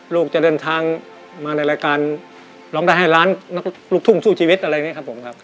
ลูกจะเดินทางมาในรายการร้องได้ให้ล้านนักลูกทุ่งสู้ชีวิตอะไรอย่างนี้ครับผมครับ